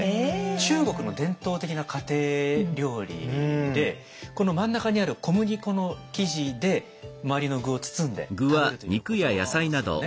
中国の伝統的な家庭料理でこの真ん中にある小麦粉の生地で周りの具を包んで食べるということなんですよね。